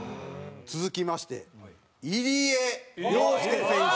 続きまして入江陵介選手。